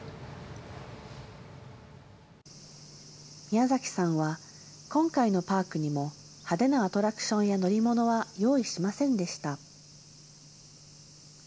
宮崎さんは今回のパークにも、派手なアトラクションや乗り物は用意しませんでした。